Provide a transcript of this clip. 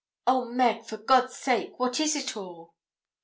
'Oh, Meg! for God's sake, what is it all?'